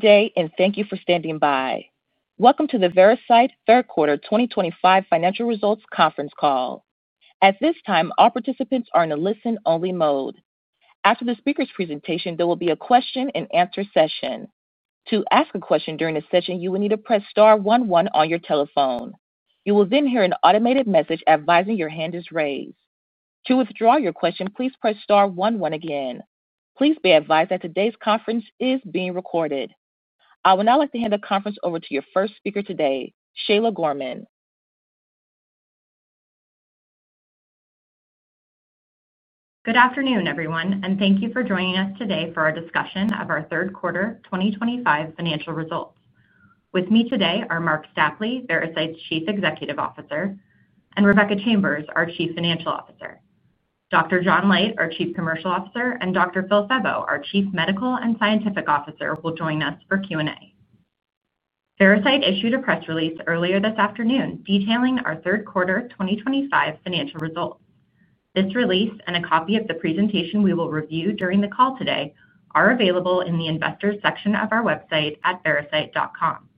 Good day, and thank you for standing by. Welcome to the Veracyte third quarter 2025 financial results conference call. At this time, all participants are in a listen-only mode. After the speaker's presentation, there will be a question-and-answer session. To ask a question during this session, you will need to press star one one on your telephone. You will then hear an automated message advising your hand is raised. To withdraw your question, please press star one one again. Please be advised that today's conference is being recorded. I would now like to hand the conference over to your first speaker today, Shayla Gorman. Good afternoon, everyone, and thank you for joining us today for our discussion of our third quarter 2025 financial results. With me today are Marc Stapley, Veracyte's Chief Executive Officer, and Rebecca Chambers, our Chief Financial Officer. Dr. John Leite, our Chief Commercial Officer, and Dr. Phil Febbo, our Chief Medical and Scientific Officer, will join us for Q&A. Veracyte issued a press release earlier this afternoon detailing our third quarter 2025 financial results. This release and a copy of the presentation we will review during the call today are available in the investors section of our website at veracyte.com.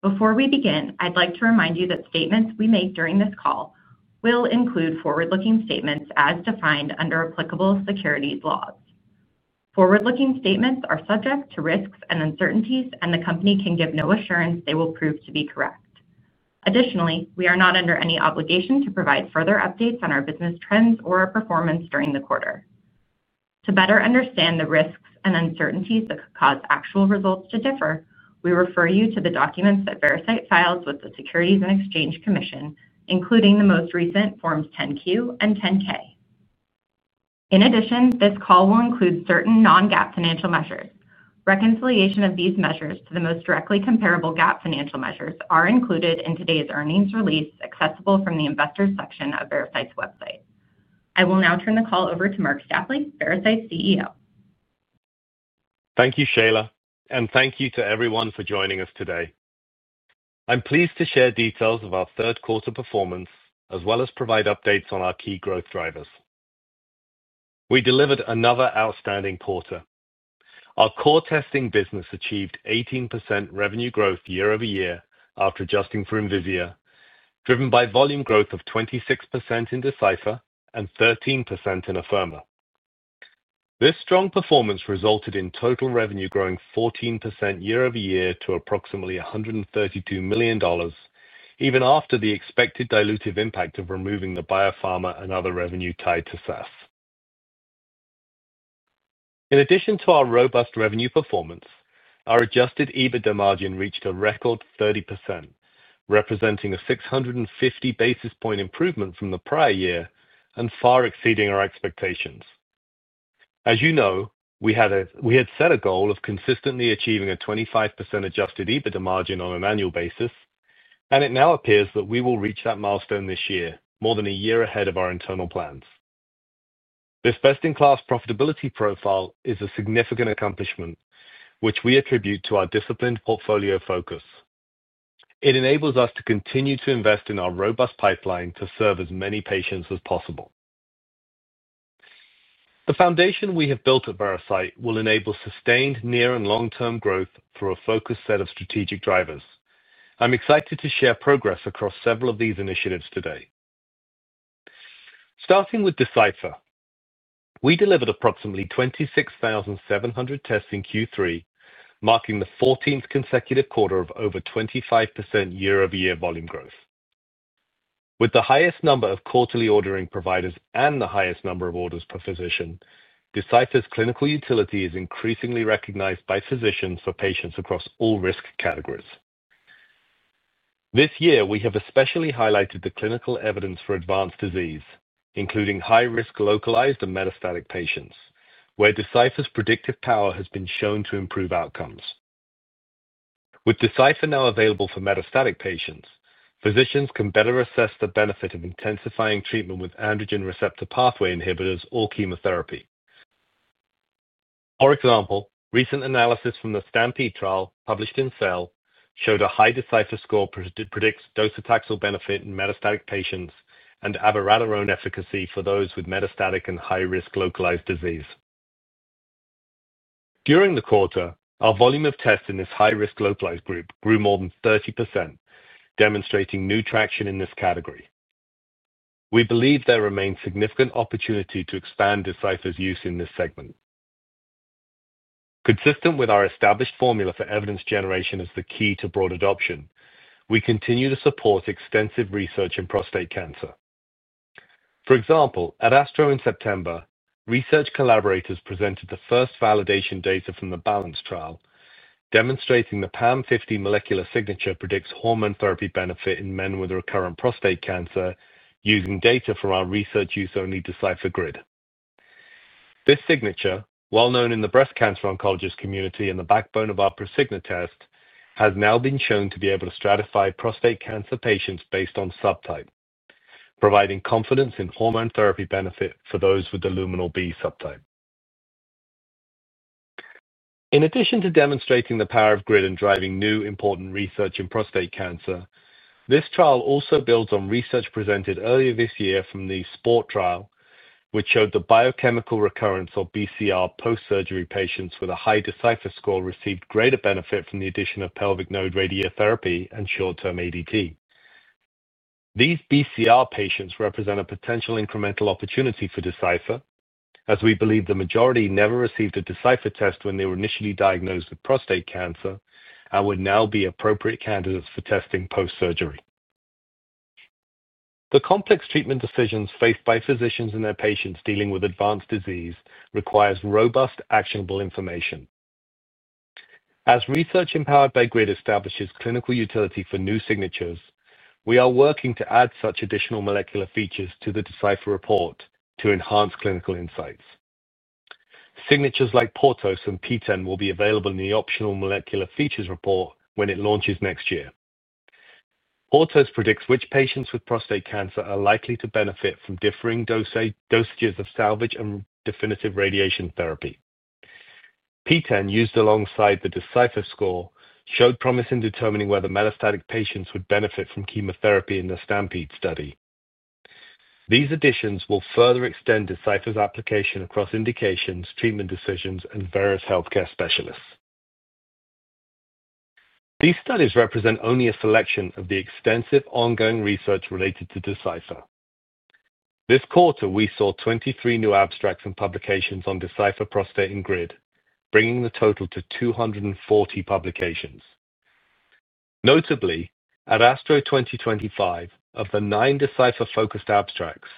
Before we begin, I'd like to remind you that statements we make during this call will include forward-looking statements as defined under applicable securities laws. Forward-looking statements are subject to risks and uncertainties, and the company can give no assurance they will prove to be correct. Additionally, we are not under any obligation to provide further updates on our business trends or our performance during the quarter. To better understand the risks and uncertainties that could cause actual results to differ, we refer you to the documents that Veracyte files with the Securities and Exchange Commission, including the most recent Forms 10-Q and 10-K. In addition, this call will include certain non-GAAP financial measures. Reconciliation of these measures to the most directly comparable GAAP financial measures is included in today's earnings release accessible from the investors section of Veracyte's website. I will now turn the call over to Marc Stapley, Veracyte's CEO. Thank you, Shayla, and thank you to everyone for joining us today. I'm pleased to share details of our third quarter performance as well as provide updates on our key growth drivers. We delivered another outstanding quarter. Our core testing business achieved 18% revenue growth year-over-year after adjusting for Envisia, driven by volume growth of 26% in Decipher and 13% in Afirma. This strong performance resulted in total revenue growing 14% year-over-year to approximately $132 million, even after the expected dilutive impact of removing the biopharma and other revenue tied to SAS. In addition to our robust revenue performance, our adjusted EBITDA margin reached a record 30%. Representing a 650 basis points improvement from the prior year and far exceeding our expectations. As you know, we had set a goal of consistently achieving a 25% adjusted EBITDA margin on an annual basis, and it now appears that we will reach that milestone this year, more than a year ahead of our internal plans. This best-in-class profitability profile is a significant accomplishment, which we attribute to our disciplined portfolio focus. It enables us to continue to invest in our robust pipeline to serve as many patients as possible. The foundation we have built at Veracyte will enable sustained near- and long-term growth through a focused set of strategic drivers. I'm excited to share progress across several of these initiatives today. Starting with Decipher, we delivered approximately 26,700 tests in Q3, marking the 14th consecutive quarter of over 25% year-over-year volume growth. With the highest number of quarterly ordering providers and the highest number of orders per physician, Decipher's clinical utility is increasingly recognized by physicians for patients across all risk categories. This year, we have especially highlighted the clinical evidence for advanced disease, including high-risk localized and metastatic patients, where Decipher's predictive power has been shown to improve outcomes. With Decipher now available for metastatic patients, physicians can better assess the benefit of intensifying treatment with androgen receptor pathway inhibitors or chemotherapy. For example, recent analysis from the STAMPEDE trial published in Cell showed a high Decipher score to predict docetaxel benefit in metastatic patients and abiraterone efficacy for those with metastatic and high-risk localized disease. During the quarter, our volume of tests in this high-risk localized group grew more than 30%, demonstrating new traction in this category. We believe there remains significant opportunity to expand Decipher's use in this segment. Consistent with our established formula for evidence generation as the key to broad adoption, we continue to support extensive research in prostate cancer. For example, at ASTRO in September, research collaborators presented the first validation data from the BALANCE trial, demonstrating the PAM50 molecular signature predicts hormone therapy benefit in men with recurrent prostate cancer using data from our research-use-only Decipher GRID. This signature, well known in the breast cancer oncologist community and the backbone of our Prosigna test, has now been shown to be able to stratify prostate cancer patients based on subtype, providing confidence in hormone therapy benefit for those with the luminal B subtype. In addition to demonstrating the power of GRID and driving new important research in prostate cancer, this trial also builds on research presented earlier this year from the SPPORT trial, which showed the biochemical recurrence of BCR post-surgery patients with a high Decipher score received greater benefit from the addition of pelvic node radiotherapy and short-term ADT. These BCR patients represent a potential incremental opportunity for Decipher, as we believe the majority never received a Decipher test when they were initially diagnosed with prostate cancer and would now be appropriate candidates for testing post-surgery. The complex treatment decisions faced by physicians and their patients dealing with advanced disease require robust, actionable information. As research empowered by GRID establishes clinical utility for new signatures, we are working to add such additional molecular features to the Decipher report to enhance clinical insights. Signatures like PORTOS and PTEN will be available in the optional molecular features report when it launches next year. PORTOS predicts which patients with prostate cancer are likely to benefit from differing dosages of salvage and definitive radiation therapy. PTEN, used alongside the Decipher score, showed promise in determining whether metastatic patients would benefit from chemotherapy in the STAMPEDE study. These additions will further extend Decipher's application across indications, treatment decisions, and various healthcare specialists. These studies represent only a selection of the extensive ongoing research related to Decipher. This quarter, we saw 23 new abstracts and publications on Decipher prostate and GRID, bringing the total to 240 publications. Notably, at ASTRO 2025, of the nine Decipher-focused abstracts,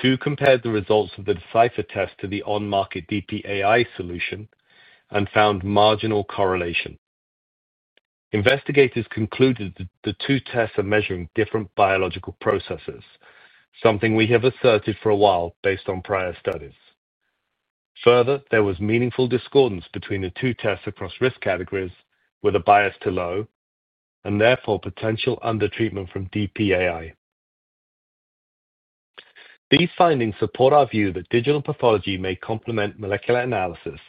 two compared the results of the Decipher test to the on-market DPAI solution and found marginal correlation. Investigators concluded that the two tests are measuring different biological processes, something we have asserted for a while based on prior studies. Further, there was meaningful discordance between the two tests across risk categories with a bias to low, and therefore potential under-treatment from DPAI. These findings support our view that digital pathology may complement molecular analysis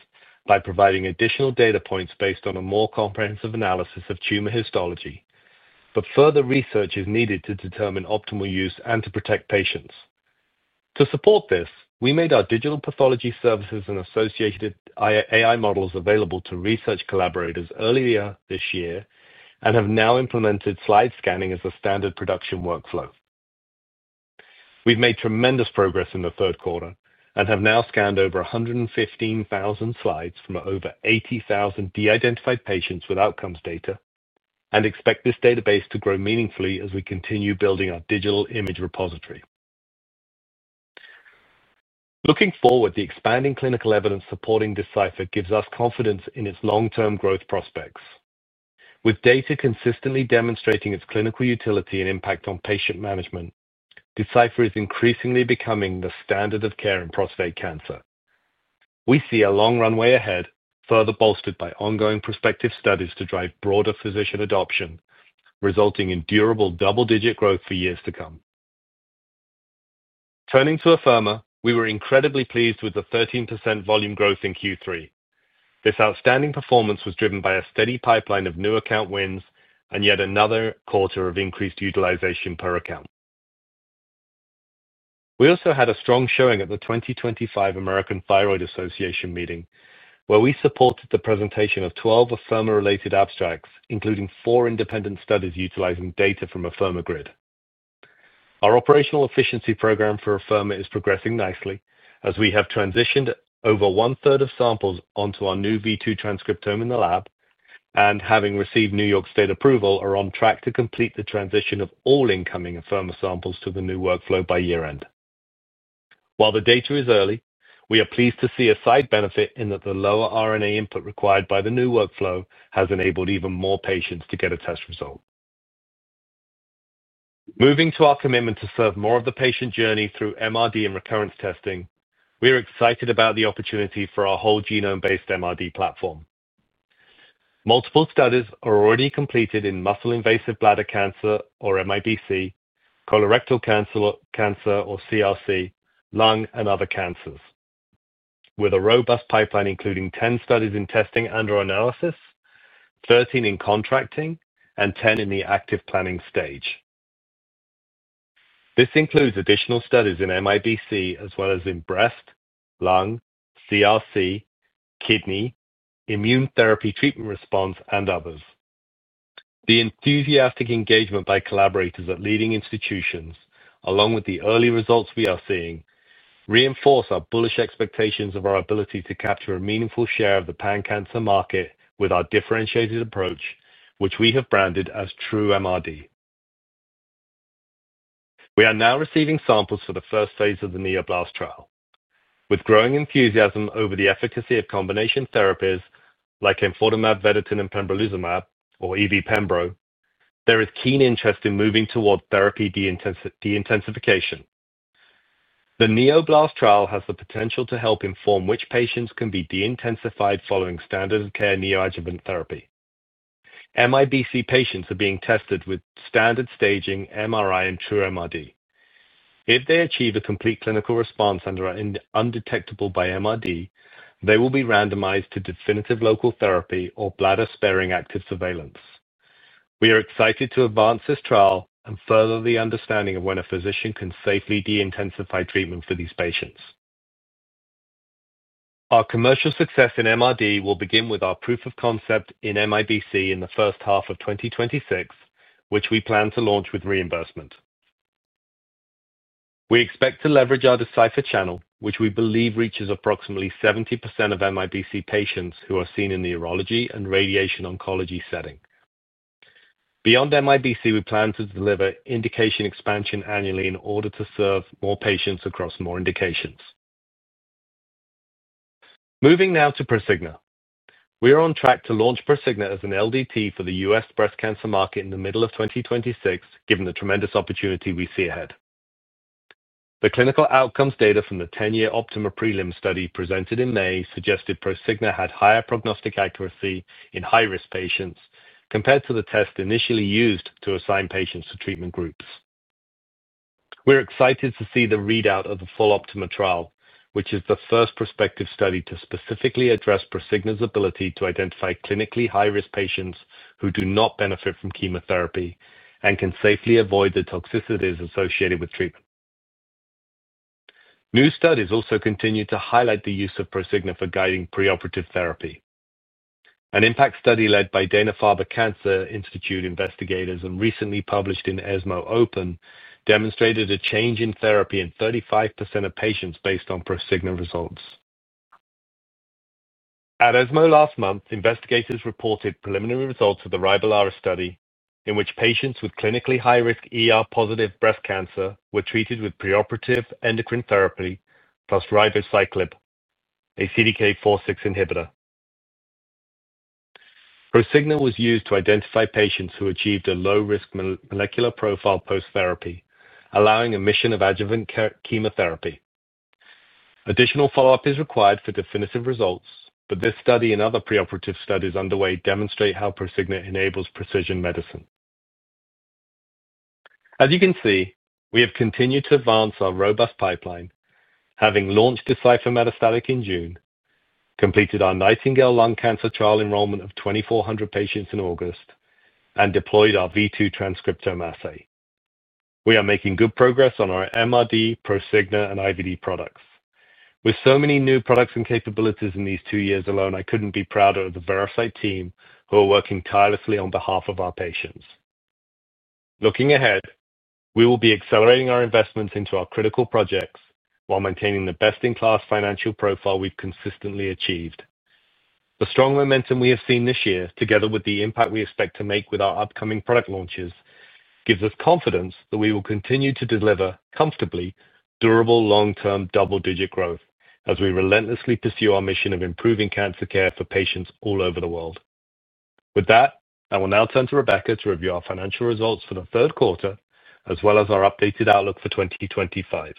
by providing additional data points based on a more comprehensive analysis of tumor histology, but further research is needed to determine optimal use and to protect patients. To support this, we made our digital pathology services and associated AI models available to research collaborators earlier this year and have now implemented slide scanning as a standard production workflow. We've made tremendous progress in the third quarter and have now scanned over 115,000 slides from over 80,000 de-identified patients with outcomes data and expect this database to grow meaningfully as we continue building our digital image repository. Looking forward, the expanding clinical evidence supporting Decipher gives us confidence in its long-term growth prospects. With data consistently demonstrating its clinical utility and impact on patient management. Decipher is increasingly becoming the standard of care in prostate cancer. We see a long runway ahead, further bolstered by ongoing prospective studies to drive broader physician adoption, resulting in durable double-digit growth for years to come. Turning to Afirma, we were incredibly pleased with the 13% volume growth in Q3. This outstanding performance was driven by a steady pipeline of new account wins and yet another quarter of increased utilization per account. We also had a strong showing at the 2025 American Thyroid Association meeting, where we supported the presentation of 12 Afirma-related abstracts, including four independent studies utilizing data from Afirma GRID. Our operational efficiency program for Afirma is progressing nicely as we have transitioned over one-third of samples onto our new v2 Transcriptome in the lab and, having received New York State approval, are on track to complete the transition of all incoming Afirma samples to the new workflow by year-end. While the data is early, we are pleased to see a side benefit in that the lower RNA input required by the new workflow has enabled even more patients to get a test result. Moving to our commitment to serve more of the patient journey through MRD and recurrence testing, we are excited about the opportunity for our whole-genome-based MRD platform. Multiple studies are already completed in muscle-invasive bladder cancer, or MIBC, colorectal cancer, or CRC, lung, and other cancers. With a robust pipeline including 10 studies in testing and/or analysis, 13 in contracting, and 10 in the active planning stage. This includes additional studies in MIBC as well as in breast, lung, CRC, kidney, immune therapy treatment response, and others. The enthusiastic engagement by collaborators at leading institutions, along with the early results we are seeing, reinforce our bullish expectations of our ability to capture a meaningful share of the pan-cancer market with our differentiated approach, which we have branded as TRUEMRD. We are now receiving samples for the first phase of the NEO-BLAST trial. With growing enthusiasm over the efficacy of combination therapies like enfortumab vedotin and pembrolizumab, or EVPembro, there is keen interest in moving toward therapy de-intensification. The NEO-BLAST trial has the potential to help inform which patients can be de-intensified following standard of care neoadjuvant therapy. MIBC patients are being tested with standard staging MRI and TRUEMRD. If they achieve a complete clinical response and are undetectable by MRD, they will be randomized to definitive local therapy or bladder-sparing active surveillance. We are excited to advance this trial and further the understanding of when a physician can safely de-intensify treatment for these patients. Our commercial success in MRD will begin with our proof of concept in MIBC in the first half of 2026, which we plan to launch with reimbursement. We expect to leverage our Decipher channel, which we believe reaches approximately 70% of MIBC patients who are seen in the urology and radiation oncology setting. Beyond MIBC, we plan to deliver indication expansion annually in order to serve more patients across more indications. Moving now to Prosigna. We are on track to launch Prosigna as an LDT for the U.S. breast cancer market in the middle of 2026, given the tremendous opportunity we see ahead. The clinical outcomes data from the 10-year OPTIMA prelim study presented in May suggested Prosigna had higher prognostic accuracy in high-risk patients compared to the test initially used to assign patients to treatment groups. We're excited to see the readout of the full OPTIMA trial, which is the first prospective study to specifically address Prosigna's ability to identify clinically high-risk patients who do not benefit from chemotherapy and can safely avoid the toxicities associated with treatment. New studies also continue to highlight the use of Prosigna for guiding preoperative therapy. An impact study led by Dana-Farber Cancer Institute investigators and recently published in ESMO Open demonstrated a change in therapy in 35% of patients based on Prosigna results. At ESMO last month, investigators reported preliminary results of the RIBOLARIS study in which patients with clinically high-risk ER+ breast cancer were treated with preoperative endocrine therapy plus ribociclib, a CDK4/6 inhibitor. Prosigna was used to identify patients who achieved a low-risk molecular profile post-therapy, allowing omission of adjuvant chemotherapy. Additional follow-up is required for definitive results, but this study and other preoperative studies underway demonstrate how Prosigna enables precision medicine. As you can see, we have continued to advance our robust pipeline, having launched Decipher metastatic in June, completed our NIGHTINGALE lung cancer trial enrollment of 2,400 patients in August, and deployed our v2 Transcriptome assay. We are making good progress on our MRD, Prosigna, and IVD products. With so many new products and capabilities in these two years alone, I couldn't be prouder of the Veracyte team who are working tirelessly on behalf of our patients. Looking ahead, we will be accelerating our investments into our critical projects while maintaining the best-in-class financial profile we've consistently achieved. The strong momentum we have seen this year, together with the impact we expect to make with our upcoming product launches, gives us confidence that we will continue to deliver comfortably durable long-term double-digit growth as we relentlessly pursue our mission of improving cancer care for patients all over the world. With that, I will now turn to Rebecca to review our financial results for the third quarter, as well as our updated outlook for 2025.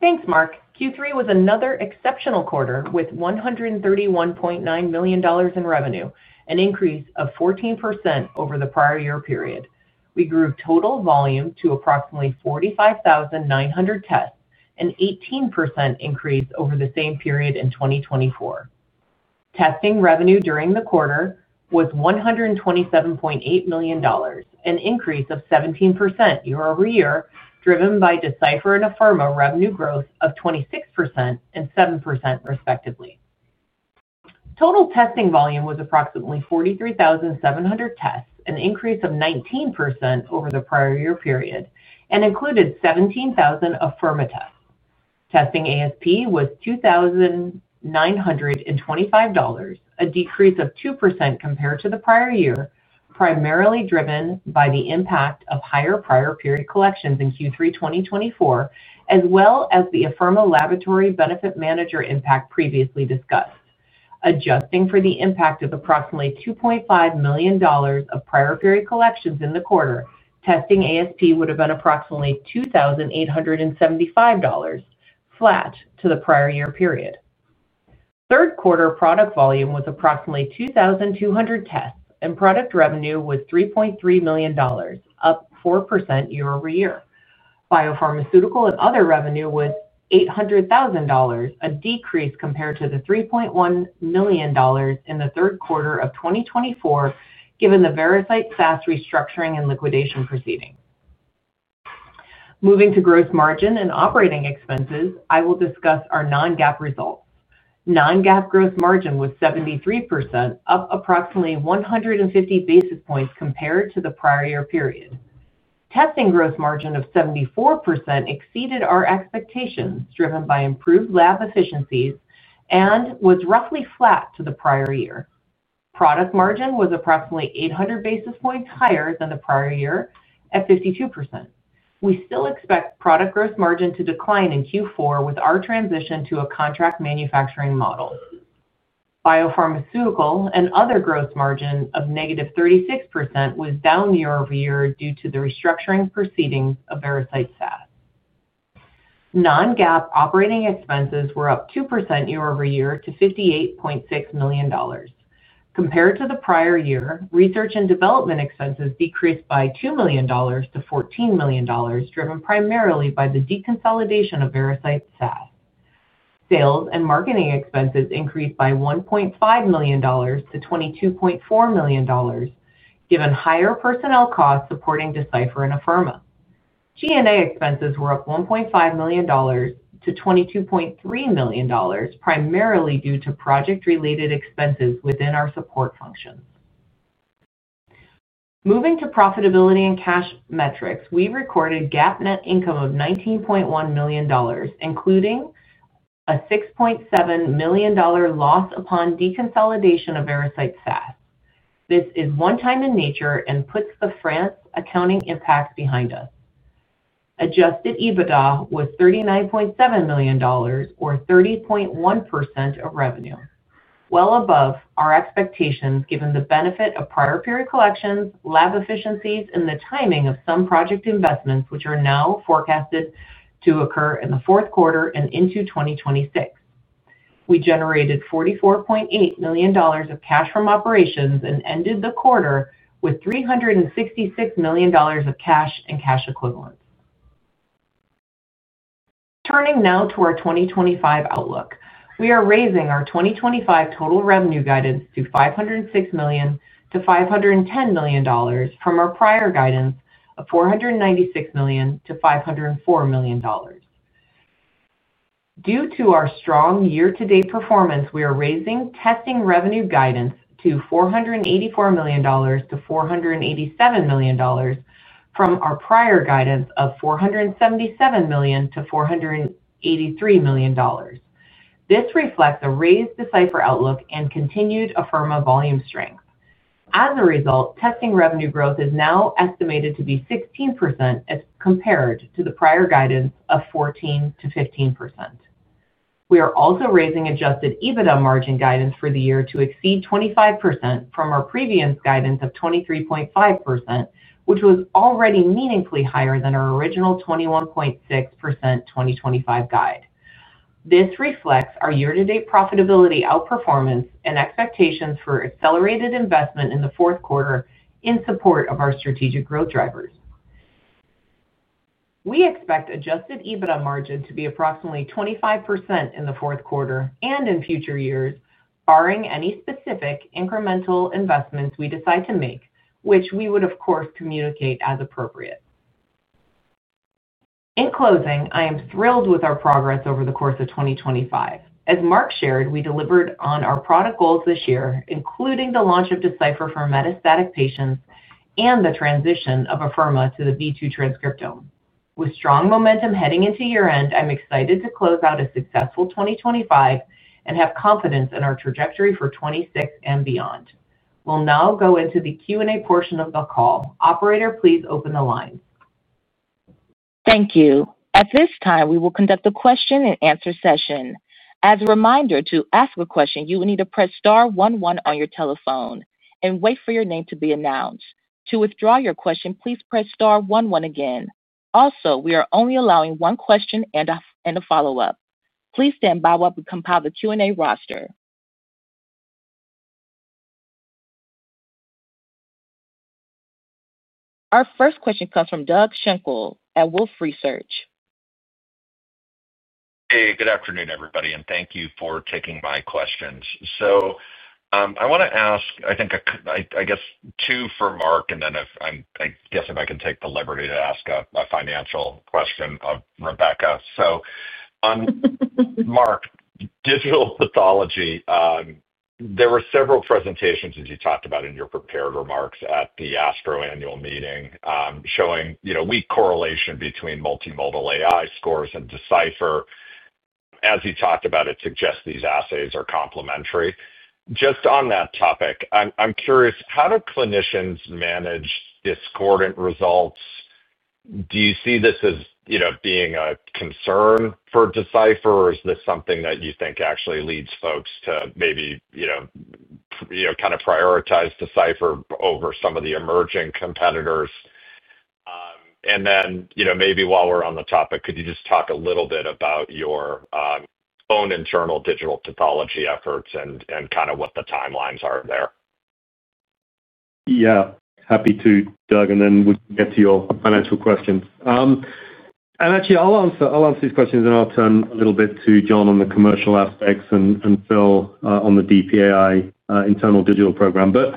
Thanks, Marc. Q3 was another exceptional quarter with $131.9 million in revenue, an increase of 14% over the prior year period. We grew total volume to approximately 45,900 tests, an 18% increase over the same period in 2024. Testing revenue during the quarter was $127.8 million, an increase of 17% year-over-year, driven by Decipher and Afirma revenue growth of 26% and 7% respectively. Total testing volume was approximately 43,700 tests, an increase of 19% over the prior year period, and included 17,000 Afirma tests. Testing ASP was $2,925, a decrease of 2% compared to the prior year, primarily driven by the impact of higher prior-period collections in Q3 2024, as well as the Afirma laboratory benefit manager impact previously discussed. Adjusting for the impact of approximately $2.5 million of prior-period collections in the quarter, testing ASP would have been approximately $2,875, flat to the prior year period. Third quarter product volume was approximately 2,200 tests, and product revenue was $3.3 million, up 4% year-over-year. Biopharmaceutical and other revenue was $800,000, a decrease compared to the $3.1 million in the third quarter of 2024, given the Veracyte SAS restructuring and liquidation proceeding. Moving to gross margin and operating expenses, I will discuss our non-GAAP results. Non-GAAP gross margin was 73%, up approximately 150 basis points compared to the prior year period. Testing gross margin of 74% exceeded our expectations, driven by improved lab efficiencies, and was roughly flat to the prior year. Product margin was approximately 800 basis points higher than the prior year, at 52%. We still expect product gross margin to decline in Q4 with our transition to a contract manufacturing model. Biopharmaceutical and other gross margin of -36% was down year-over-year due to the restructuring proceedings of Veracyte SAS. Non-GAAP operating expenses were up 2% year-over-year to $58.6 million. Compared to the prior year, research and development expenses decreased by $2 million to $14 million, driven primarily by the deconsolidation of Veracyte SAS. Sales and marketing expenses increased by $1.5 million to $22.4 million, given higher personnel costs supporting Decipher and Afirma. G&A expenses were up $1.5 million to $22.3 million, primarily due to project-related expenses within our support functions. Moving to profitability and cash metrics, we recorded GAAP net income of $19.1 million, including a $6.7 million loss upon deconsolidation of Veracyte SAS. This is one-time in nature and puts the France accounting impact behind us. Adjusted EBITDA was $39.7 million, or 30.1% of revenue, well above our expectations given the benefit of prior-period collections, lab efficiencies, and the timing of some project investments, which are now forecasted to occur in the fourth quarter and into 2026. We generated $44.8 million of cash from operations and ended the quarter with $366 million of cash and cash equivalents. Turning now to our 2025 outlook, we are raising our 2025 total revenue guidance to $506 million-$510 million from our prior guidance of $496 million-$504 million. Due to our strong year-to-date performance, we are raising testing revenue guidance to $484 million-$487 million from our prior guidance of $477 million-$483 million. This reflects a raised Decipher outlook and continued Afirma volume strength. As a result, testing revenue growth is now estimated to be 16% as compared to the prior guidance of 14%-15%. We are also raising adjusted EBITDA margin guidance for the year to exceed 25% from our previous guidance of 23.5%, which was already meaningfully higher than our original 21.6% 2025 guide. This reflects our year-to-date profitability outperformance and expectations for accelerated investment in the fourth quarter in support of our strategic growth drivers. We expect adjusted EBITDA margin to be approximately 25% in the fourth quarter and in future years, barring any specific incremental investments we decide to make, which we would, of course, communicate as appropriate. In closing, I am thrilled with our progress over the course of 2025. As Marc shared, we delivered on our product goals this year, including the launch of Decipher for metastatic patients and the transition of Afirma to the v2 Transcriptome. With strong momentum heading into year-end, I'm excited to close out a successful 2025 and have confidence in our trajectory for 2026 and beyond. We'll now go into the Q&A portion of the call. Operator, please open the lines. Thank you. At this time, we will conduct a question-and-answer session. As a reminder, to ask a question, you will need to press star one one on your telephone and wait for your name to be announced. To withdraw your question, please press star one one again. Also, we are only allowing one question and a follow-up. Please stand by while we compile the Q&A roster. Our first question comes from Doug Schenkel at Wolfe Research. Hey, good afternoon, everybody, and thank you for taking my questions. So I want to ask, I guess, two for Marc, and then I guess if I can take the liberty to ask a financial question of Rebecca. So. Marc, digital pathology, there were several presentations, as you talked about in your prepared remarks at the ASTRO annual meeting, showing weak correlation between multimodal AI scores and Decipher. As you talked about, it suggests these assays are complementary. Just on that topic, I'm curious, how do clinicians manage discordant results? Do you see this as being a concern for Decipher, or is this something that you think actually leads folks to maybe. Kind of prioritize Decipher over some of the emerging competitors? And then maybe while we're on the topic, could you just talk a little bit about your. Own internal digital pathology efforts and kind of what the timelines are there? Yeah, happy to, Doug, and then we can get to your financial questions. And actually, I'll answer these questions, and I'll turn a little bit to John on the commercial aspects and Phil on the DPAI internal digital program. But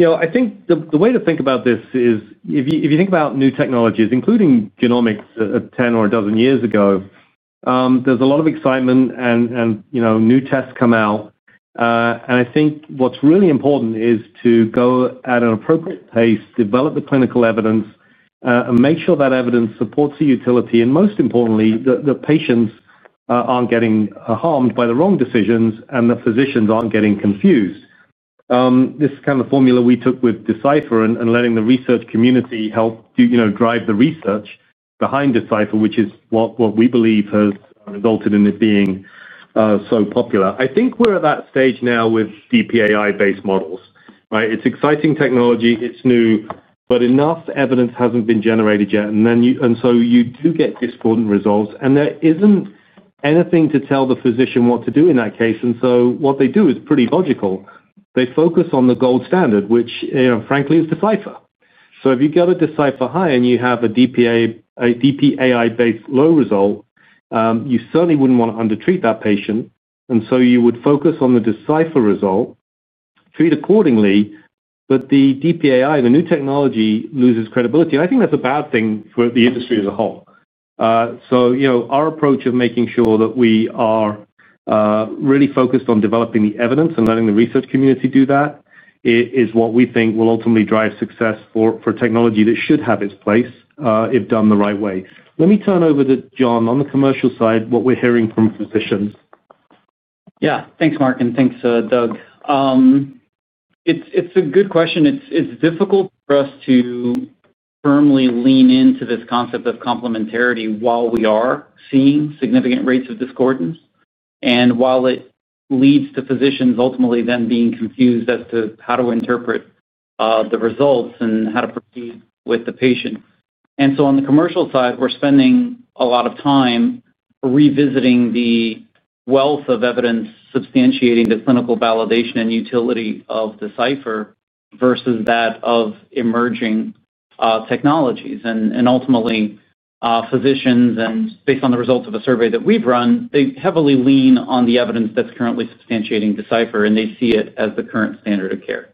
I think the way to think about this is, if you think about new technologies, including genomics a 10 or a dozen years ago. There's a lot of excitement, and new tests come out. And I think what's really important is to go at an appropriate pace, develop the clinical evidence. And make sure that evidence supports the utility, and most importantly, that the patients aren't getting harmed by the wrong decisions and the physicians aren't getting confused. This kind of formula we took with Decipher and letting the research community help drive the research behind Decipher, which is what we believe has resulted in it being so popular. I think we're at that stage now with DPAI-based models. It's exciting technology. It's new, but enough evidence hasn't been generated yet. You do get discordant results, and there isn't anything to tell the physician what to do in that case. What they do is pretty logical. They focus on the gold standard, which, frankly, is Decipher. If you go to Decipher high and you have a DPAI-based low result, you certainly wouldn't want to undertreat that patient. You would focus on the Decipher result, treat accordingly, but the DPAI, the new technology, loses credibility. I think that's a bad thing for the industry as a whole. Our approach of making sure that we are really focused on developing the evidence and letting the research community do that is what we think will ultimately drive success for technology that should have its place if done the right way. Let me turn over to John on the commercial side, what we're hearing from physicians. Yeah, thanks, Marc, and thanks, Doug. It's a good question. It's difficult for us to firmly lean into this concept of complementarity while we are seeing significant rates of discordance and while it leads to physicians ultimately then being confused as to how to interpret the results and how to proceed with the patient. On the commercial side, we're spending a lot of time revisiting the wealth of evidence substantiating the clinical validation and utility of Decipher versus that of emerging technologies. Ultimately, physicians, based on the results of a survey that we've run, they heavily lean on the evidence that's currently substantiating Decipher, and they see it as the current standard of care.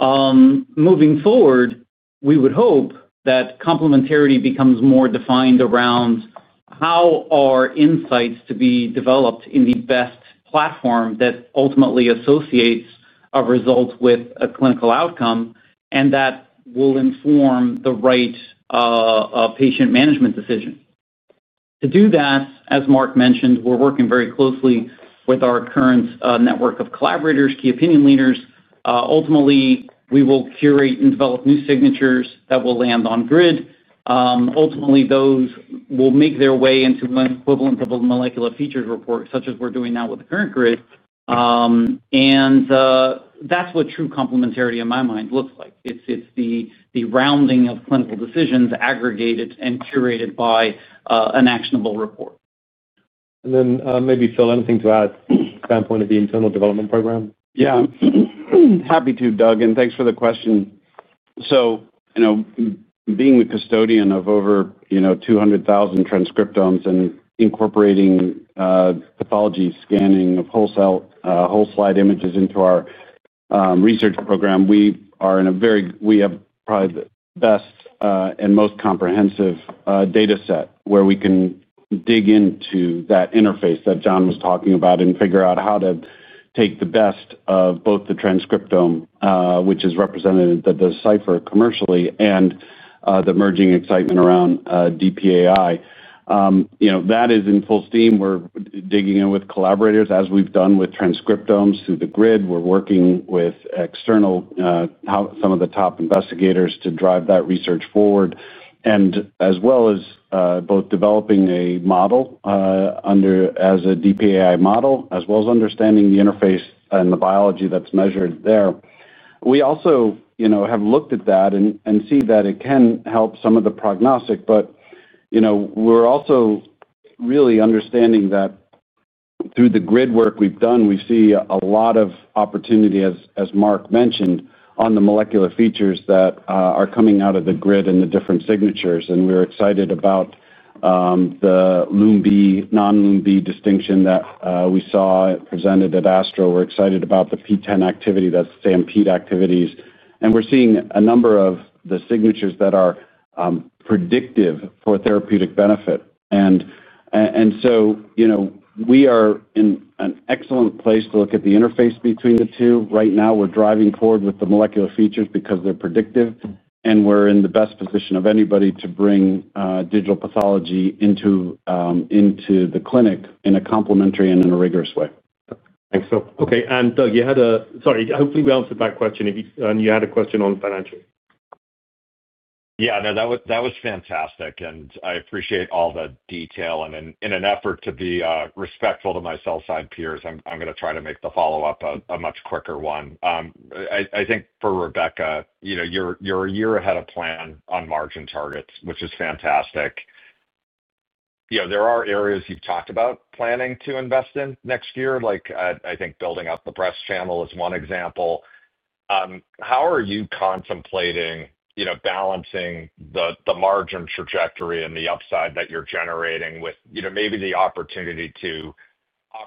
Moving forward, we would hope that complementarity becomes more defined around how our insights to be developed in the best platform that ultimately associates a result with a clinical outcome, and that will inform the right patient management decision. To do that, as Marc mentioned, we're working very closely with our current network of collaborators, key opinion leaders. Ultimately, we will curate and develop new signatures that will land on GRID. Ultimately, those will make their way into an equivalent of a molecular features report, such as we're doing now with the current GRID. That's what true complementarity, in my mind, looks like. It's the rounding of clinical decisions aggregated and curated by an actionable report. Then maybe, Phil, anything to add from the standpoint of the internal development program? Yeah. Happy to, Doug, and thanks for the question. Being the custodian of over 200,000 transcriptomes and incorporating pathology scanning of whole slide images into our. Research program, we are in a very, we have probably the best and most comprehensive data set where we can dig into that interface that John was talking about and figure out how to take the best of both the transcriptome, which is represented in the Decipher commercially, and the emerging excitement around DPAI. That is in full steam. We're digging in with collaborators, as we've done with transcriptomes through the GRID. We're working with some of the top investigators to drive that research forward, as well as both developing a model as a DPAI model, as well as understanding the interface and the biology that's measured there. We also have looked at that and see that it can help some of the prognostic, but we're also really understanding that. Through the GRID work we've done, we see a lot of opportunity, as Marc mentioned, on the molecular features that are coming out of the GRID and the different signatures. And we're excited about the non-LumB distinction that we saw presented at ASTRO. We're excited about the PTEN activity, that STAMPEDE activities. And we're seeing a number of the signatures that are predictive for therapeutic benefit. And so we are in an excellent place to look at the interface between the two. Right now, we're driving forward with the molecular features because they're predictive, and we're in the best position of anybody to bring digital pathology into the clinic in a complementary and in a rigorous way. Thanks, Phil. Okay. And Doug, you had a, sorry, hopefully we answered that question. And you had a question on financial. Yeah, no, that was fantastic. And I appreciate all the detail. And in an effort to be respectful to my sell-side peers, I'm going to try to make the follow-up a much quicker one. I think for Rebecca, you're a year ahead of plan on margin targets, which is fantastic. There are areas you've talked about planning to invest in next year, like I think building up the press channel is one example. How are you contemplating balancing the margin trajectory and the upside that you're generating with maybe the opportunity to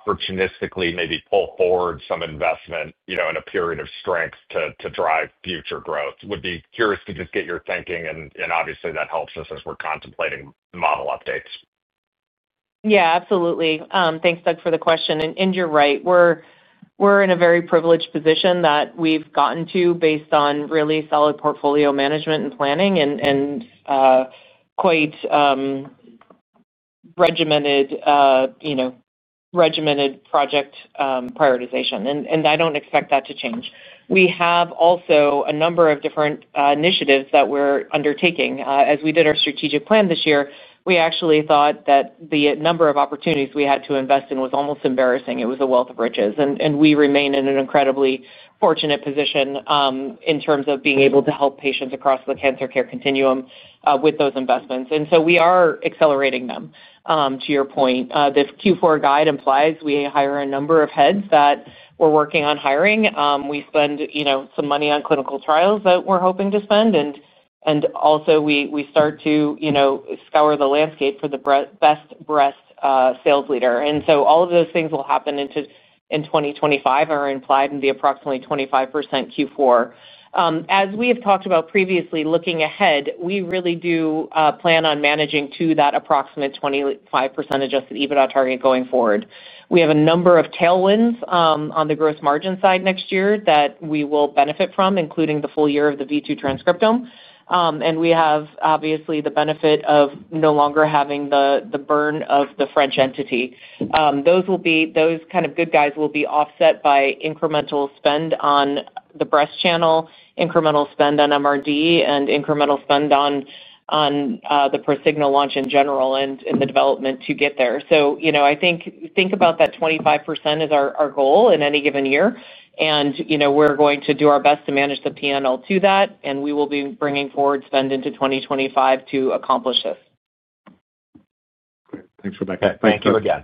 opportunistically maybe pull forward some investment in a period of strength to drive future growth? Would be curious to just get your thinking, and obviously, that helps us as we're contemplating model updates. Yeah, absolutely. Thanks, Doug, for the question. And you're right. We're in a very privileged position that we've gotten to based on really solid portfolio management and planning and quite regimented project prioritization. And I don't expect that to change. We have also a number of different initiatives that we're undertaking. As we did our strategic plan this year, we actually thought that the number of opportunities we had to invest in was almost embarrassing. It was a wealth of riches. And we remain in an incredibly fortunate position in terms of being able to help patients across the cancer care continuum with those investments. And so we are accelerating them, to your point. The Q4 guide implies we hire a number of heads that we're working on hiring. We spend some money on clinical trials that we're hoping to spend. And also, we start to scour the landscape for the best breast sales leader. And so all of those things will happen in 2025 or implied in the approximately 25% Q4. As we have talked about previously, looking ahead, we really do plan on managing to that approximate 25% adjusted EBITDA target going forward. We have a number of tailwinds on the gross margin side next year that we will benefit from, including the full year of the v2 Transcriptome. And we have, obviously, the benefit of no longer having the burn of the French entity. Those kind of good guys will be offset by incremental spend on the breast channel, incremental spend on MRD, and incremental spend on the Prosigna launch in general and the development to get there. So I think about that 25% as our goal in any given year. And we're going to do our best to manage the P&L to that, and we will be bringing forward spend into 2025 to accomplish this. Great. Thanks, Rebecca. Thank you again.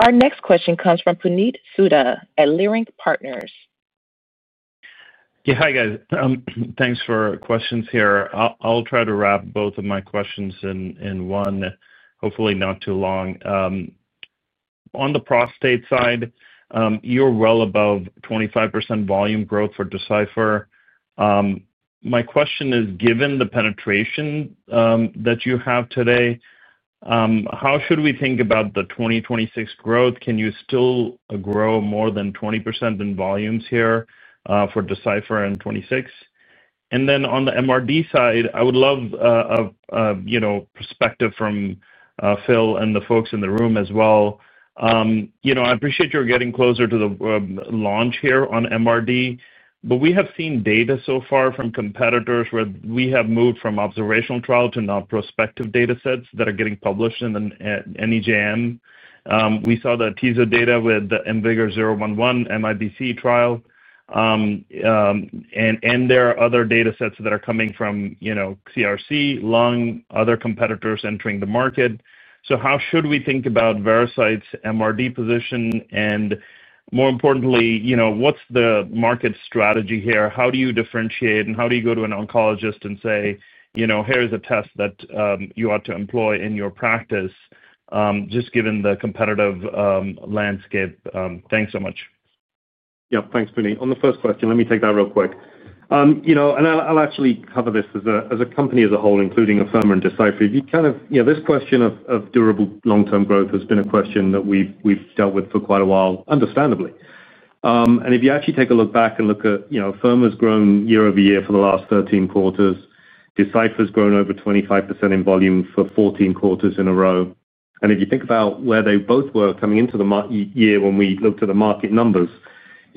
Our next question comes from Puneet Souda at Leerink Partners. Yeah, hi guys. Thanks for questions here. I'll try to wrap both of my questions in one, hopefully not too long. On the prostate side, you're well above 25% volume growth for Decipher. My question is, given the penetration that you have today. How should we think about the 2026 growth? Can you still grow more than 20% in volumes here for Decipher in 2026? And then on the MRD side, I would love a perspective from Phil and the folks in the room as well. I appreciate you're getting closer to the launch here on MRD, but we have seen data so far from competitors where we have moved from observational trial to now prospective data sets that are getting published in the NEJM. We saw the TZO data with the IMvigor011 MIBC trial. And there are other data sets that are coming from CRC, lung, other competitors entering the market. So how should we think about Veracyte's MRD position? And more importantly, what's the market strategy here? How do you differentiate, and how do you go to an oncologist and say, "Here's a test that you ought to employ in your practice." Just given the competitive landscape. Thanks so much. Yep, thanks, Puneet. On the first question, let me take that real quick. And I'll actually cover this as a company as a whole, including Afirma and Decipher. If you kind of, this question of durable long-term growth has been a question that we've dealt with for quite a while, understandably. And if you actually take a look back and look at Afirma's grown year-over-year for the last 13 quarters, Decipher's grown over 25% in volume for 14 quarters in a row. If you think about where they both were coming into the year when we looked at the market numbers,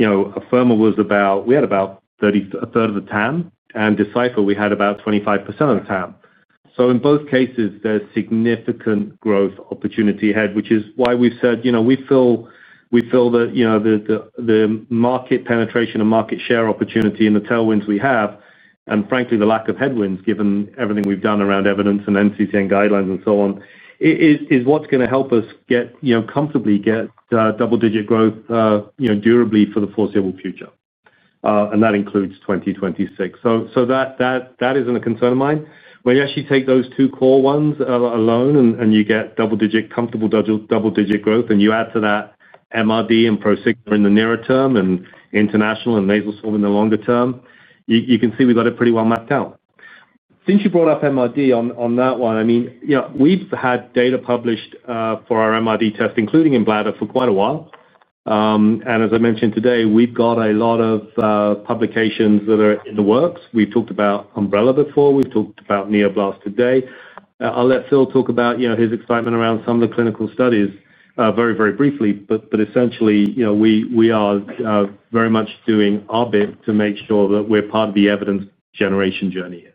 Afirma was about, we had about a third of the TAM, and Decipher, we had about 25% of the TAM. So in both cases, there's significant growth opportunity ahead, which is why we've said we feel that. The market penetration and market share opportunity and the tailwinds we have, and frankly, the lack of headwinds given everything we've done around evidence and NCCN guidelines and so on, is what's going to help us comfortably get double-digit growth durably for the foreseeable future. That includes 2026. So that isn't a concern of mine. When you actually take those two core ones alone and you get double-digit, comfortable double-digit growth, and you add to that MRD and Prosigna in the nearer term and international and nasal swab in the longer term, you can see we've got it pretty well mapped out. Since you brought up MRD on that one, I mean, we've had data published for our MRD test, including in bladder, for quite a while. As I mentioned today, we've got a lot of publications that are in the works. We've talked about UMBRELLA before. We've talked about NEO-BLAST today. I'll let Phil talk about his excitement around some of the clinical studies very, very briefly, but essentially, we are very much doing our bit to make sure that we're part of the evidence generation journey here.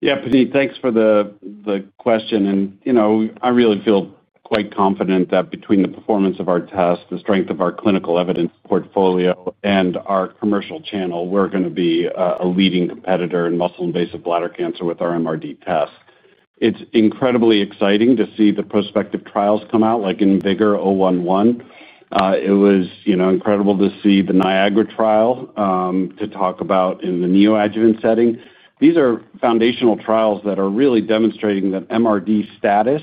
Yeah, Puneet, thanks for the question. I really feel quite confident that between the performance of our test, the strength of our clinical evidence portfolio, and our commercial channel, we're going to be a leading competitor in muscle-invasive bladder cancer with our MRD test. It's incredibly exciting to see the prospective trials come out, like IMvigor011. It was incredible to see the NIAGARA trial to talk about in the neoadjuvant setting. These are foundational trials that are really demonstrating that MRD status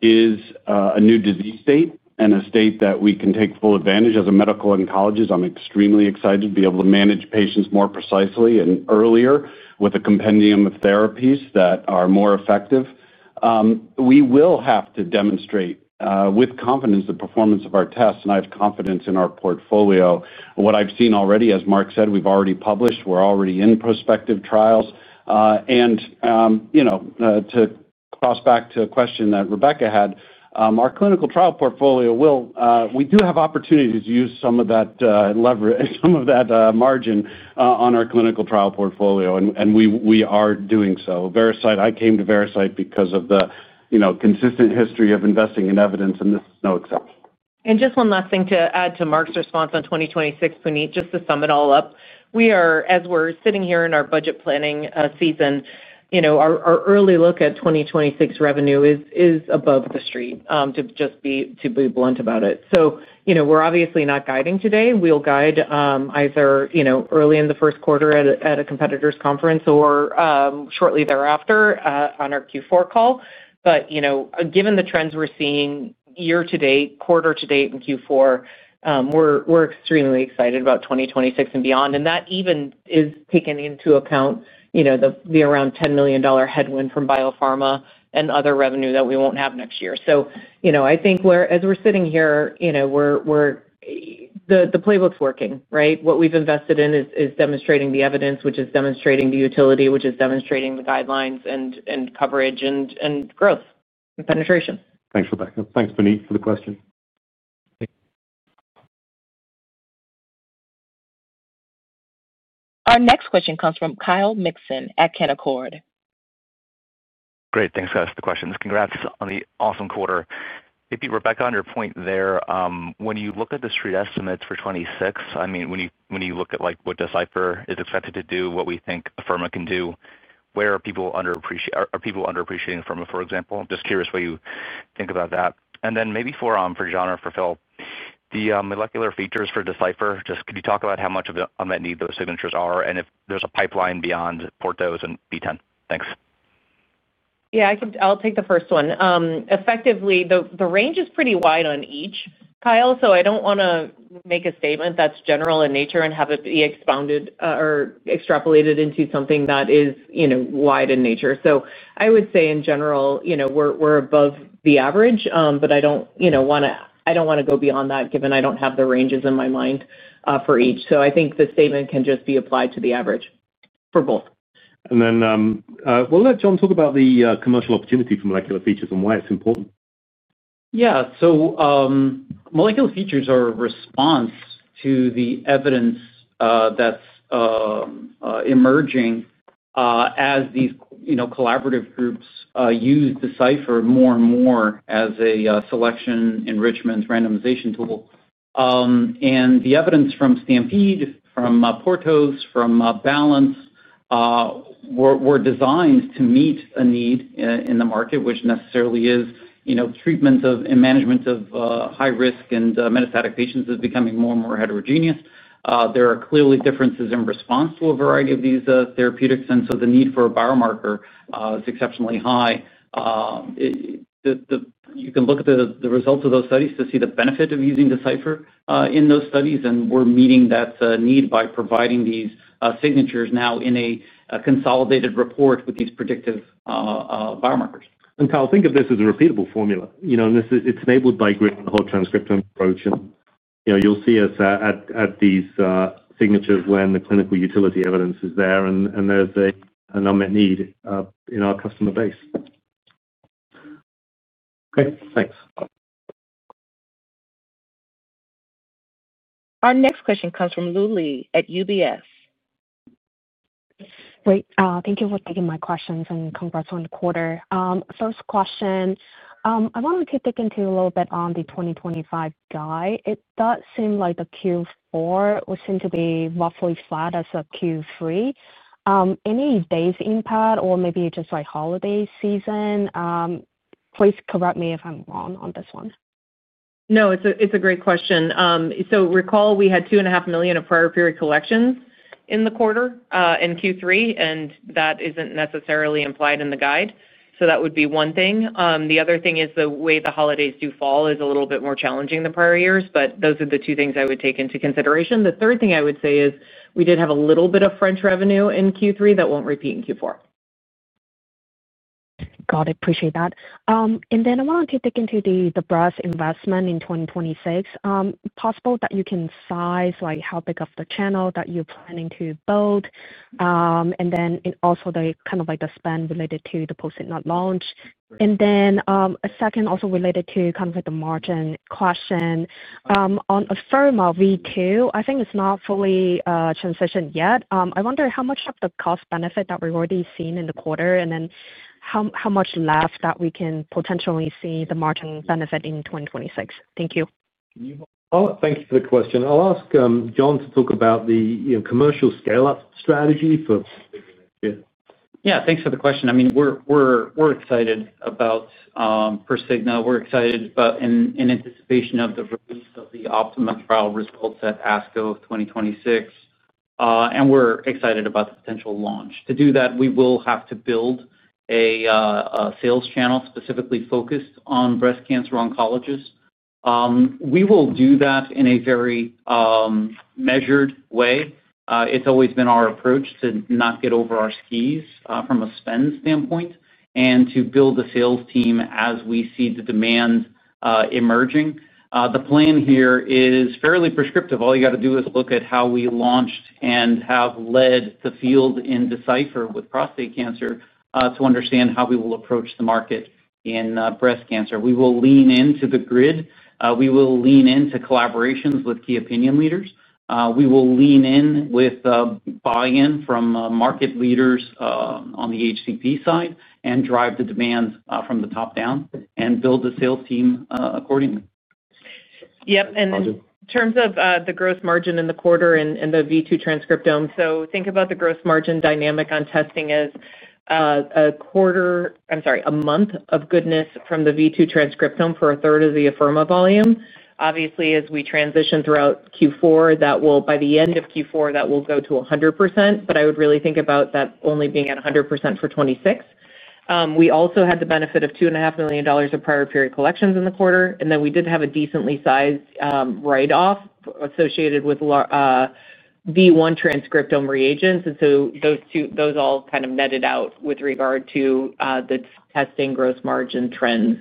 is a new disease state and a state that we can take full advantage as a medical oncologist. I'm extremely excited to be able to manage patients more precisely and earlier with a compendium of therapies that are more effective. We will have to demonstrate with confidence the performance of our tests, and I have confidence in our portfolio. What I've seen already, as Marc said, we've already published. We're already in prospective trials. To cross back to a question that Rebecca had, our clinical trial portfolio, we do have opportunities to use some of that margin on our clinical trial portfolio, and we are doing so. I came to Veracyte because of the consistent history of investing in evidence, and this is no exception. And just one last thing to add to Marc's response on 2026, Puneet, just to sum it all up. As we're sitting here in our budget planning season. Our early look at 2026 revenue is above the street, to just be blunt about it. So we're obviously not guiding today. We'll guide either early in the first quarter at a competitor's conference or shortly thereafter on our Q4 call. But given the trends we're seeing year to date, quarter to date, and Q4. We're extremely excited about 2026 and beyond. And that even is taking into account the around $10 million headwind from biopharma and other revenue that we won't have next year. So I think as we're sitting here. The playbook's working, right? What we've invested in is demonstrating the evidence, which is demonstrating the utility, which is demonstrating the guidelines and coverage and growth and penetration. Thanks, Rebecca. Thanks, Puneet, for the question. Our next question comes from Kyle Mikson at Canaccord. Great. Thanks for the questions. Congrats on the awesome quarter. Maybe Rebecca, on your point there, when you look at the street estimates for 2026, I mean, when you look at what Decipher is expected to do, what we think Afirma can do, where are people underappreciating Afirma, for example? Just curious what you think about that. And then maybe for John or for Phil. The molecular features for Decipher, just could you talk about how much of a net need those signatures are and if there's a pipeline beyond PORTOS and PTEN? Thanks. Yeah, I'll take the first one. Effectively, the range is pretty wide on each, Kyle, so I don't want to make a statement that's general in nature and have it be expounded or extrapolated into something that is wide in nature. So I would say, in general, we're above the average, but I don't want to—I don't want to go beyond that given I don't have the ranges in my mind for each. So I think the statement can just be applied to the average for both. And then. We'll let John talk about the commercial opportunity for molecular features and why it's important. Yeah. So. Molecular features are a response to the evidence that's. Emerging. As these collaborative groups use Decipher more and more as a selection enrichment randomization tool. And the evidence from STAMPEDE, from PORTOS, from BALANCE. Were designed to meet a need in the market, which necessarily is treatment and management of high-risk and metastatic patients is becoming more and more heterogeneous. There are clearly differences in response to a variety of these therapeutics, and so the need for a biomarker is exceptionally high. You can look at the results of those studies to see the benefit of using Decipher in those studies, and we're meeting that need by providing these signatures now in a consolidated report with these predictive biomarkers. And Kyle, think of this as a repeatable formula. It's enabled by the whole transcript approach, and you'll see us at these signatures when the clinical utility evidence is there, and there's an unmet need in our customer base. Okay. Thanks. Our next question comes from Lu Li at UBS. Great. Thank you for taking my questions and congrats on the quarter. First question, I wanted to dig into a little bit on the 2025 guide. It does seem like the Q4 was seen to be roughly flat as a Q3. Any days impact or maybe just holiday season? Please correct me if I'm wrong on this one. No, it's a great question. So recall we had $2.5 million of prior-period collections in the quarter in Q3, and that isn't necessarily implied in the guide. So that would be one thing. The other thing is the way the holidays do fall is a little bit more challenging than prior years, but those are the two things I would take into consideration. The third thing I would say is we did have a little bit of French revenue in Q3 that won't repeat in Q4. Got it. Appreciate that. And then I wanted to dig into the breast investment in 2026. Possible that you can size how big of the channel that you're planning to build. And then also kind of the spend related to the post-ignite launch. And then a second also related to kind of the margin question. On Afirma, v2, I think it's not fully transitioned yet. I wonder how much of the cost-benefit that we've already seen in the quarter and then how much left that we can potentially see the margin benefit in 2026. Thank you. Oh, thank you for the question. I'll ask John to talk about the commercial scale-up strategy for. Yeah, thanks for the question. I mean, we're excited about. Prosigna. We're excited in anticipation of the release of the optimum trial results at ASCO 2026. And we're excited about the potential launch. To do that, we will have to build. A sales channel specifically focused on breast cancer oncologists. We will do that in a very. Measured way. It's always been our approach to not get over our skis from a spend standpoint and to build the sales team as we see the demand emerging. The plan here is fairly prescriptive. All you got to do is look at how we launched and have led the field in Decipher with prostate cancer to understand how we will approach the market in breast cancer. We will lean into the GRID. We will lean into collaborations with key opinion leaders. We will lean in with. Buy-in from market leaders on the HCP side and drive the demand from the top down and build the sales team accordingly. Yep. And then in terms of the gross margin in the quarter and the v2 Transcriptome, so think about the gross margin dynamic on testing as. A quarter, I'm sorry, a month of goodness from the v2 Transcriptome for a third of the Afirma volume. Obviously, as we transition throughout Q4, by the end of Q4, that will go to 100%, but I would really think about that only being at 100% for 2026. We also had the benefit of $2.5 million of prior-period collections in the quarter, and then we did have a decently sized write-off associated with v1 Transcriptome reagents. And so those all kind of netted out with regard to the testing gross margin trends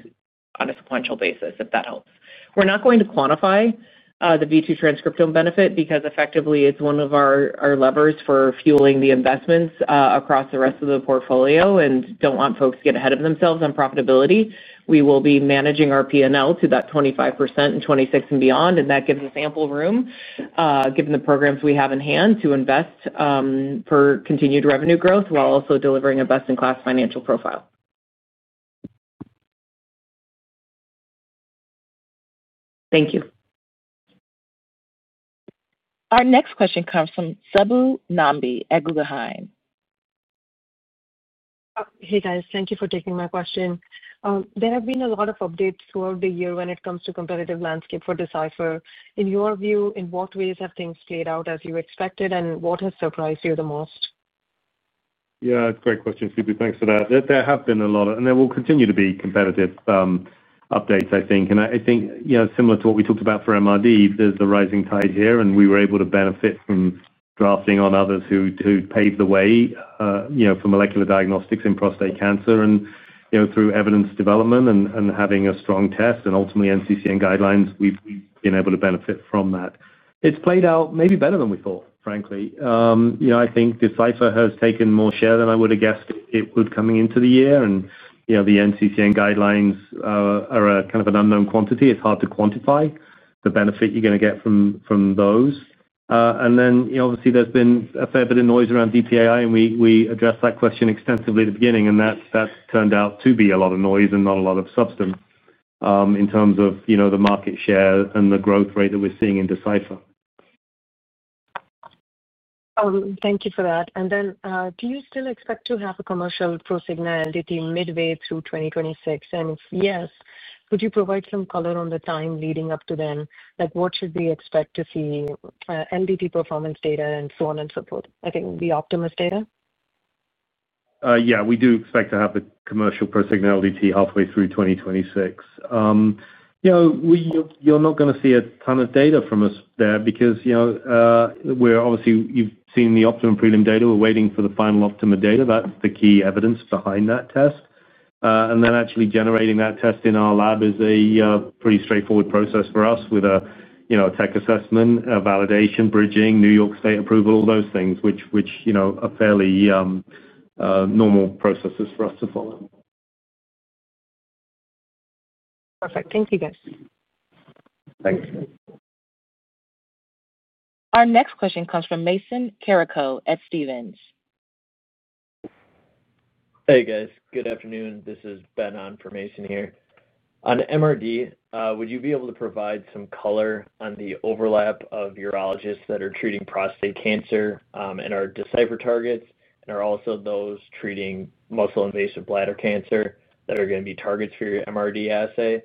on a sequential basis, if that helps. We're not going to quantify the v2 Transcriptome benefit because effectively it's one of our levers for fueling the investments across the rest of the portfolio and don't want folks to get ahead of themselves on profitability. We will be managing our P&L to that 25% in 2026 and beyond, and that gives us ample room, given the programs we have in hand, to invest for continued revenue growth while also delivering a best-in-class financial profile. Thank you. Our next question comes from Subbu Nambi at Guggenheim. Hey, guys. Thank you for taking my question. There have been a lot of updates throughout the year when it comes to the competitive landscape for Decipher. In your view, in what ways have things played out as you expected, and what has surprised you the most? Yeah, great question, Subbu. Thanks for that. There have been a lot of, and there will continue to be, competitive updates, I think. And I think similar to what we talked about for MRD, there's the rising tide here, and we were able to benefit from drafting on others who paved the way for molecular diagnostics in prostate cancer. And through evidence development and having a strong test and ultimately NCCN guidelines, we've been able to benefit from that. It's played out maybe better than we thought, frankly. I think Decipher has taken more share than I would have guessed it would coming into the year. And the NCCN guidelines are kind of an unknown quantity. It's hard to quantify the benefit you're going to get from those. And then, obviously, there's been a fair bit of noise around DPAI, and we addressed that question extensively at the beginning, and that turned out to be a lot of noise and not a lot of substance in terms of the market share and the growth rate that we're seeing in Decipher. Thank you for that. And then, do you still expect to have a commercial Prosigna LDT midway through 2026? And if yes, could you provide some color on the time leading up to then? What should we expect to see LDT performance data and so on and so forth? I think the OPTIMA data. Yeah, we do expect to have the commercial Prosigna LDT halfway through 2026. You're not going to see a ton of data from us there because. Obviously, you've seen the optimum premium data. We're waiting for the final optimum data. That's the key evidence behind that test. And then actually generating that test in our lab is a pretty straightforward process for us with a tech assessment, validation, bridging, New York State approval, all those things, which are fairly normal processes for us to follow. Perfect. Thank you, guys. Thanks. Our next question comes from Mason Carrico at Stevens. Hey, guys. Good afternoon. This is Ben on for Mason here. On MRD, would you be able to provide some color on the overlap of urologists that are treating prostate cancer and are Decipher targets and are also those treating muscle-invasive bladder cancer that are going to be targets for your MRD assay?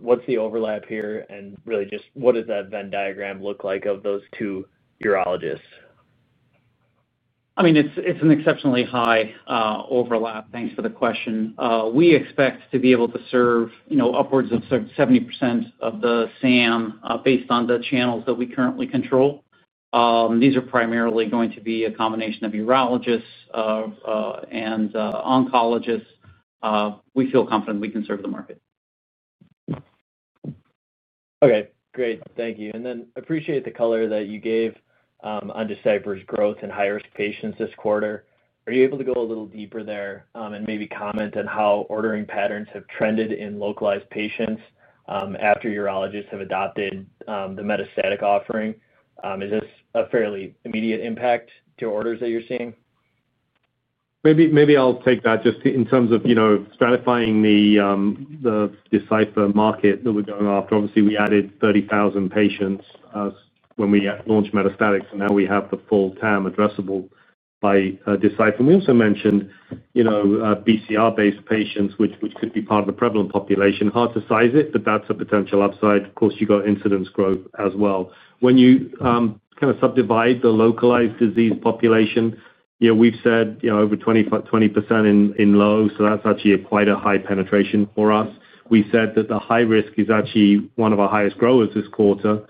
What's the overlap here? And really, just what does that Venn diagram look like of those two urologists? I mean, it's an exceptionally high overlap. Thanks for the question. We expect to be able to serve upwards of 70% of the SAM based on the channels that we currently control. These are primarily going to be a combination of urologists and oncologists. We feel confident we can serve the market. Okay. Great. Thank you. And then appreciate the color that you gave on Decipher's growth in high-risk patients this quarter. Are you able to go a little deeper there and maybe comment on how ordering patterns have trended in localized patients after urologists have adopted the metastatic offering? Is this a fairly immediate impact to orders that you're seeing? Maybe I'll take that just in terms of stratifying the Decipher market that we're going after. Obviously, we added 30,000 patients when we launched metastatic, and now we have the full TAM addressable by Decipher. And we also mentioned BCR-based patients, which could be part of the prevalent population. Hard to size it, but that's a potential upside. Of course, you've got incidence growth as well. When you kind of subdivide the localized disease population, we've said over 20% in low, so that's actually quite a high penetration for us. We said that the high risk is actually one of our highest growers this quarter.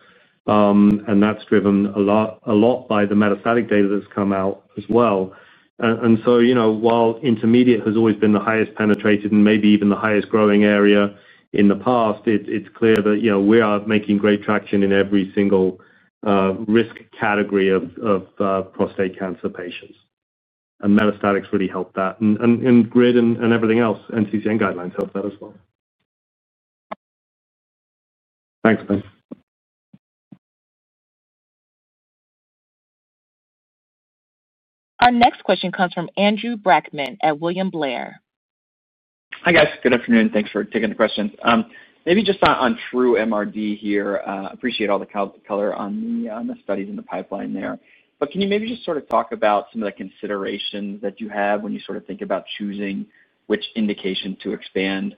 And that's driven a lot by the metastatic data that's come out as well. And so while intermediate has always been the highest penetrated and maybe even the highest growing area in the past, it's clear that we are making great traction in every single risk category of prostate cancer patients. And metastatic really helped that. And GRID and everything else, NCCN guidelines helped that as well. Thanks, guys. Our next question comes from Andrew Brackmann at William Blair. Hi, guys. Good afternoon. Thanks for taking the questions. Maybe just on TRUEMRD here, appreciate all the color on the studies in the pipeline there. But can you maybe just sort of talk about some of the considerations that you have when you sort of think about choosing which indication to expand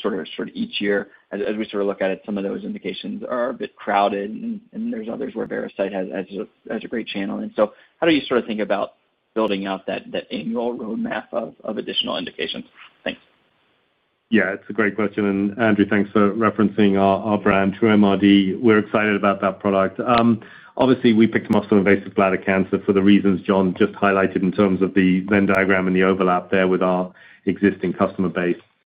sort of each year as we sort of look at it? Some of those indications are a bit crowded, and there's others where Veracyte has a great channel. And so how do you sort of think about building out that annual roadmap of additional indications? Thanks. Yeah, it's a great question. And Andrew, thanks for referencing our brand, TRUEMRD. We're excited about that product. Obviously, we picked muscle-invasive bladder cancer for the reasons John just highlighted in terms of the Venn diagram and the overlap there with our existing customer base.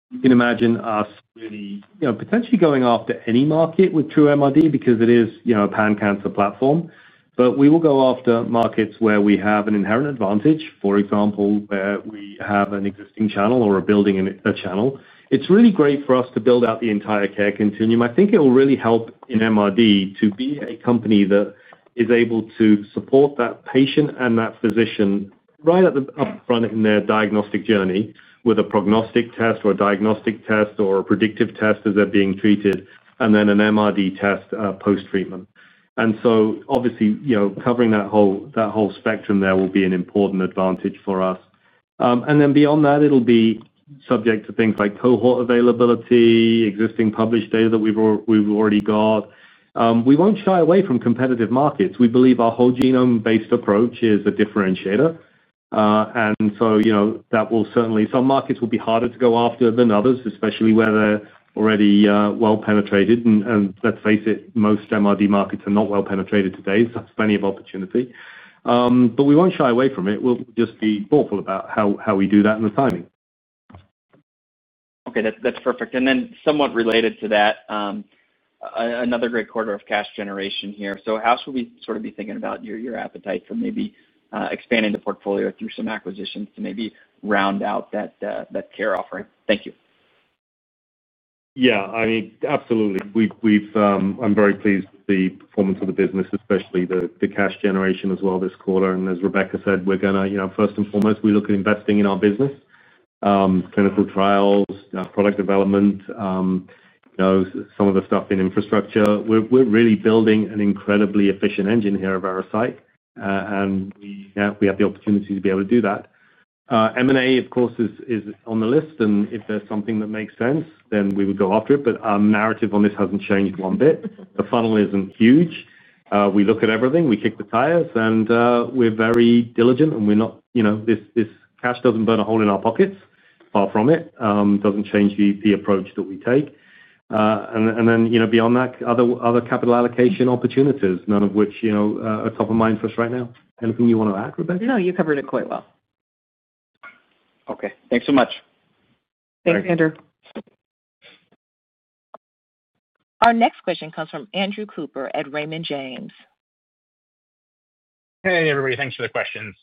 You can imagine us really potentially going after any market with TRUEMRD because it is a pan-cancer platform. But we will go after markets where we have an inherent advantage, for example, where we have an existing channel or are building a channel. It's really great for us to build out the entire care continuum. I think it will really help in MRD to be a company that is able to support that patient and that physician right up front in their diagnostic journey with a prognostic test or a diagnostic test or a predictive test as they're being treated, and then an MRD test post-treatment. And so obviously, covering that whole spectrum there will be an important advantage for us. And then beyond that, it'll be subject to things like cohort availability, existing published data that we've already got. We won't shy away from competitive markets. We believe our whole genome-based approach is a differentiator. And so that will certainly. Some markets will be harder to go after than others, especially where they're already well-penetrated. And let's face it, most MRD markets are not well-penetrated today. That's plenty of opportunity. But we won't shy away from it. We'll just be thoughtful about how we do that and the timing. Okay. That's perfect. And then somewhat related to that. Another great quarter of cash generation here. So how should we sort of be thinking about your appetite for maybe expanding the portfolio through some acquisitions to maybe round out that care offering? Thank you. Yeah. I mean, absolutely. I'm very pleased with the performance of the business, especially the cash generation as well this quarter. And as Rebecca said, we're going to. First and foremost, we look at investing in our business. Clinical trials, product development. Some of the stuff in infrastructure. We're really building an incredibly efficient engine here of our size, and we have the opportunity to be able to do that. M&A, of course, is on the list, and if there's something that makes sense, then we would go after it. But our narrative on this hasn't changed one bit. The funnel isn't huge. We look at everything. We kick the tires, and we're very diligent, and we're not—this cash doesn't burn a hole in our pockets, far from it. It doesn't change the approach that we take. And then beyond that, other capital allocation opportunities, none of which are top of mind for us right now. Anything you want to add, Rebecca? No, you covered it quite well. Okay. Thanks so much. Thanks, Andrew. Our next question comes from Andrew Cooper at Raymond James. Hey, everybody. Thanks for the questions.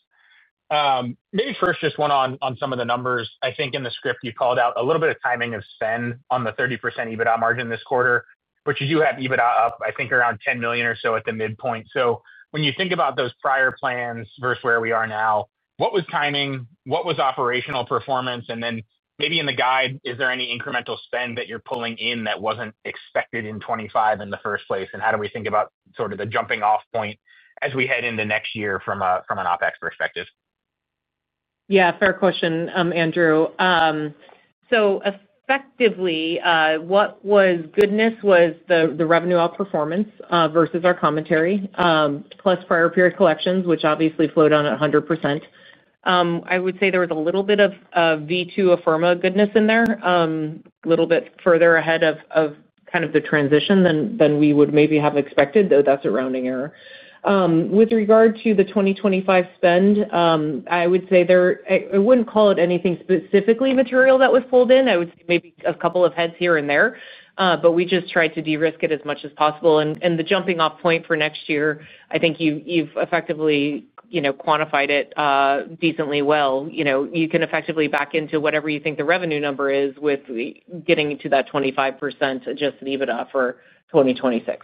Maybe first, just one on some of the numbers. I think in the script, you called out a little bit of timing of spend on the 30% EBITDA margin this quarter, but you do have EBITDA up, I think, around $10 million or so at the midpoint. So when you think about those prior plans versus where we are now, what was timing? What was operational performance? And then maybe in the guide, is there any incremental spend that you're pulling in that wasn't expected in 2025 in the first place? And how do we think about sort of the jumping-off point as we head into next year from an OpEx perspective? Yeah. Fair question, Andrew. So effectively, what was goodness was the revenue-out performance versus our commentary, plus prior-period collections, which obviously flowed on at 100%. I would say there was a little bit of v2 Afirma goodness in there, a little bit further ahead of kind of the transition than we would maybe have expected, though that's a rounding error. With regard to the 2025 spend, I would say there—I wouldn't call it anything specifically material that was pulled in. I would say maybe a couple of heads here and there, but we just tried to de-risk it as much as possible. And the jumping-off point for next year, I think you've effectively quantified it decently well. You can effectively back into whatever you think the revenue number is with getting to that 25% adjusted EBITDA for 2026.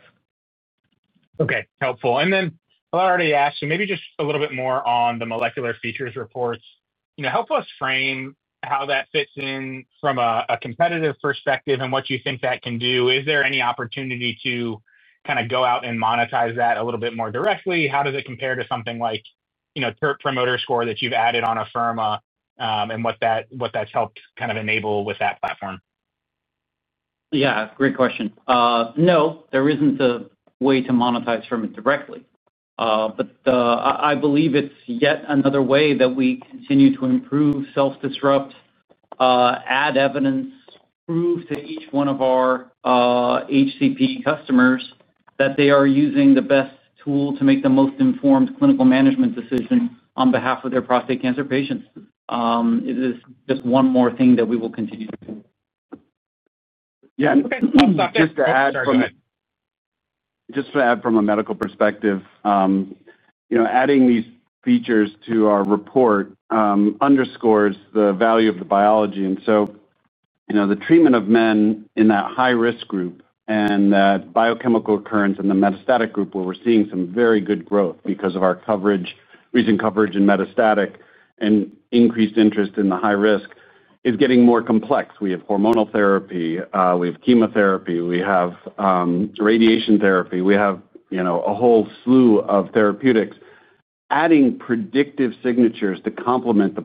Okay. Helpful. And then I already asked you, maybe just a little bit more on the molecular features reports. Help us frame how that fits in from a competitive perspective and what you think that can do. Is there any opportunity to kind of go out and monetize that a little bit more directly? How does it compare to something like Net Promoter Score that you've added on Afirma and what that's helped kind of enable with that platform? Yeah. Great question. No. There isn't a way to monetize from it directly. But I believe it's yet another way that we continue to improve, self-disrupt. Add evidence, prove to each one of our HCP customers that they are using the best tool to make the most informed clinical management decision on behalf of their prostate cancer patients. It is just one more thing that we will continue to do. Yeah. I'm sorry. Just to add from a medical perspective. Adding these features to our report. Underscores the value of the biology. And so, the treatment of men in that high-risk group and that biochemical recurrence in the metastatic group, where we're seeing some very good growth because of our recent coverage in metastatic and increased interest in the high risk, is getting more complex. We have hormonal therapy. We have chemotherapy. We have radiation therapy. We have a whole slew of therapeutics. Adding predictive signatures to complement the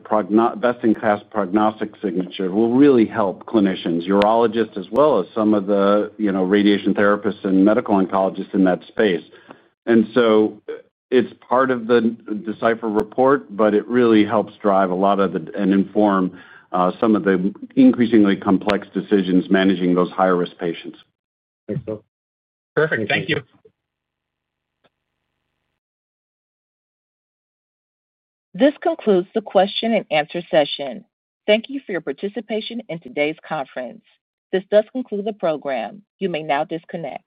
best-in-class prognostic signature will really help clinicians, urologists, as well as some of the radiation therapists and medical oncologists in that space. And so it's part of the Decipher report, but it really helps drive a lot of and inform some of the increasingly complex decisions managing those high-risk patients. Thanks, Phil. Perfect. Thank you. This concludes the question-and-answer session. Thank you for your participation in today's conference. This does conclude the program. You may now disconnect.